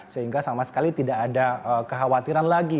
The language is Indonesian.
sehingga sama sekali tidak ada kekhawatiran lagi